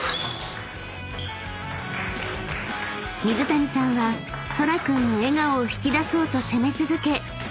［水谷さんはそら君の笑顔を引き出そうと攻め続け